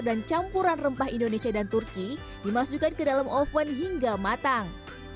dan campuran rempah indonesia dan turki dimasukkan ke dalam oven hingga matang